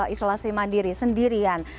isolasi mandiri sendirian